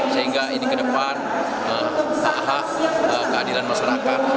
sehingga ini ke depan hak hak keadilan masyarakat